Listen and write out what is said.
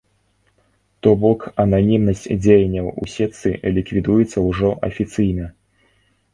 То бок ананімнасць дзеянняў у сетцы ліквідуецца ўжо афіцыйна.